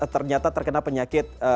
ternyata terkena penyakit